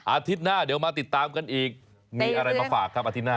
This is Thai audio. อาทิตย์หน้าเดี๋ยวมาติดตามกันอีกมีอะไรมาฝากครับอาทิตย์หน้า